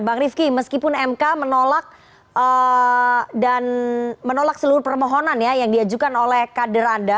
bang rifki meskipun mk menolak dan menolak seluruh permohonan ya yang diajukan oleh kader anda